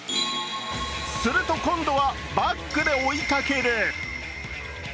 すると今度はバックで追いかける。